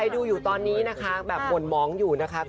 อนุโมทนาบุญ